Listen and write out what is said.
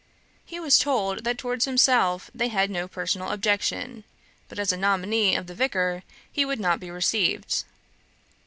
He was told that towards himself they had no personal objection; but as a nominee of the Vicar he would not be received.